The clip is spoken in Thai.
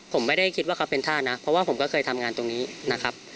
ผมไม่ได้คิดว่าเขาเป็นท่านะเพราะว่าผมก็เคยทำงานตรงนี้นะครับ